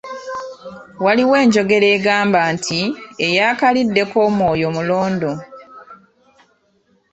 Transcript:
Waliwo n'enjogera egamba nti, "Eyakaliddeko omwoyo mulondo".